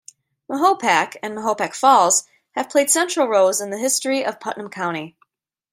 Mahopac and Mahopac Falls have played central roles in the history of Putnam County.